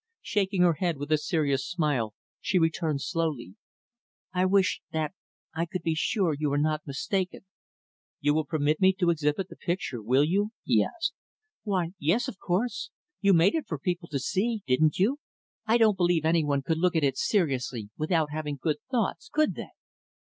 Shaking her head, with a serious smile, she returned slowly, "I wish that I could be sure you are not mistaken." "You will permit me to exhibit the picture, will you?" he asked. "Why, yes! of course! You made it for people to see, didn't you? I don't believe any one could look at it seriously without having good thoughts, could they?"